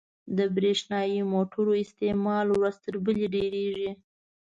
• د برېښنايي موټرو استعمال ورځ تر بلې ډېرېږي.